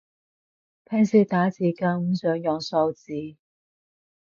平時打字更唔想用數字